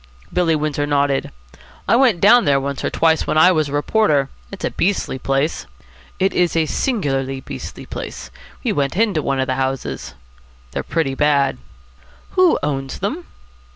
Billy Windsor nodded. "I went down there once or twice when I was a reporter. It's a beastly place." "It is a singularly beastly place. We went into one of the houses." "They're pretty bad." "Who owns them?"